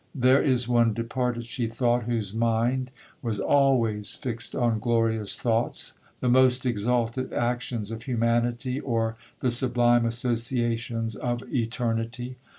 —'There is one departed,' she thought, 'whose mind was always fixed on glorious thoughts—the most exalted actions of humanity, or the sublime associations of eternity!